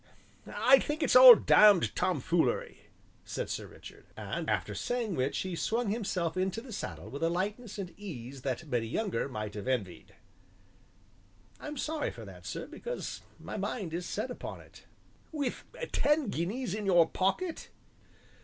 "I think it's all damned tomfoolery!" said Sir Richard. After saying which he swung himself into the saddle with a lightness and ease that many younger might have envied. "I'm sorry for that, sir, because my mind is set upon it." "With ten guineas in your pocket!"